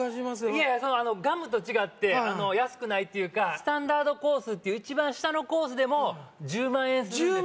いやいやガムと違って安くないっていうかスタンダードコースって一番下のコースでも１０万円するんですよ